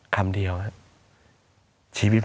คำเดียว